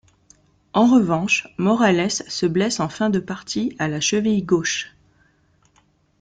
En revanche, Morales se blesse en fin de partie à la cheville gauche.